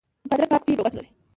بادرنګ پاک وي نو ګټه لري.